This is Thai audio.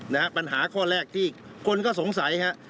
นะฮะปัญหาข้อแรกที่คนก็สงสัยฮะ